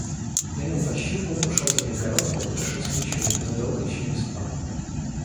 Левин пощупал, ушел за перегородку, потушил свечу, но долго еще не спал.